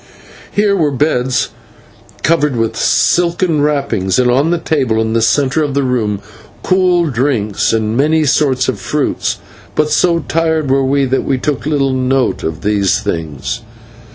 Here were beds covered with silken wrappings, and on a table in the centre of the room cool drinks and many sorts of fruits, but so tired were we that we took little note of these things.